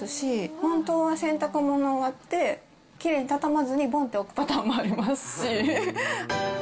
本当は洗濯物終わって、きれいに畳まずにぽんと置くパターンもありますし。